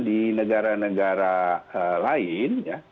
di negara negara lain